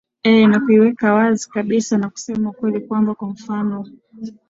eeh na kuiweka wazi kabisa na kusema ukweli kwamba kwa mfano